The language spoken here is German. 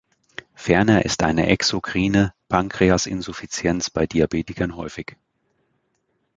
Ferner ist eine exokrine Pankreasinsuffizienz bei Diabetikern häufig.